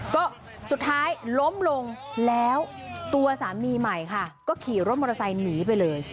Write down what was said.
ก็สุดท้ายล้มลงแล้วตัวสามีใหม่ค่ะก็ขี่รถมอเตอร์ไซค์หนีไปเลย